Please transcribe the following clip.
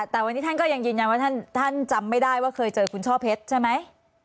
แต่วันนี้ท่านก็ยังยืนยันว่าท่านจำไม่ได้ว่าเคยเจอคุณช่อเพชรใช่ไหม